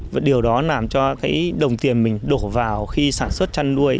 và điều đó làm cho cái đồng tiền mình đổ vào khi sản xuất chăn nuôi